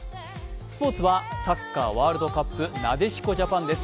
スポーツはサッカーワールドカップ、なでしこジャパンです。